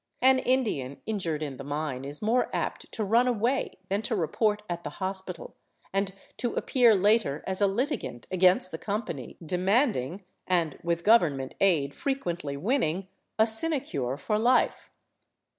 An Indian injured in the mine is more apt to run away than to report at the hospital, and to appear later as a litigant against the company, demanding — and with government aid frequently win ning— a sinecure for life.